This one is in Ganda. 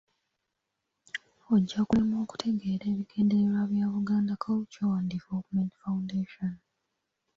Ojja kulemwa okutegeera ebigendererwa bya Buganda Cultural And Development Foundation.